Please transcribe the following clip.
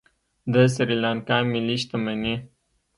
د سریلانکا ملي شتمني